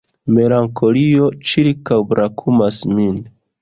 Melankolio ĉirkaŭbrakumas min.